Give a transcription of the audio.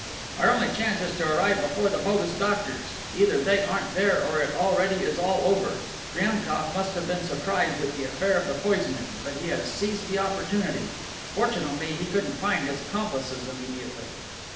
"Our only chance is to arrive before the bogus doctors. Either they aren't there, or it already is all over. Priemkof must have been surprised at the affair of the poisoning, but he has seized the opportunity; fortunately he couldn't find his accomplices immediately."